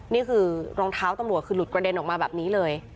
นี่คือรองเท้าตำรวจคือหลุดกระเด็นออกมาแบบนี้เลย